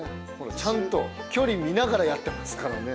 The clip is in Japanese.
ちゃんと距離見ながらやってますからね。